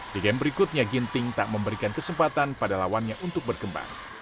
di game berikutnya ginting tak memberikan kesempatan pada lawannya untuk berkembang